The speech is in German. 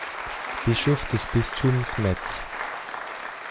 Bischof des Bistums Metz.